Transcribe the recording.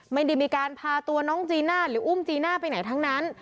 ไม่ได้มีการพาตัวน้องจีน่าหรืออุ้มจีน่าไปไหนทั้งนั้น